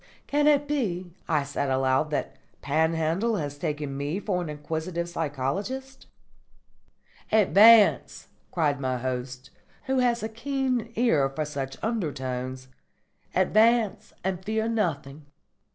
"Can it be," I said aloud, "that Panhandle has taken me for an inquisitive psychologist?" "Advance," cried my host, who had a keen ear for such undertones. "Advance and fear nothing."